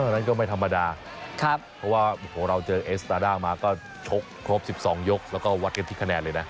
นั้นก็ไม่ธรรมดาเพราะว่าโอ้โหเราเจอเอสตาด้ามาก็ชกครบ๑๒ยกแล้วก็วัดกันที่คะแนนเลยนะ